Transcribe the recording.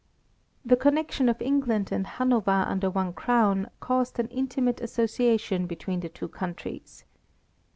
The connection of England and Hanover under one crown caused an intimate association between the two countries.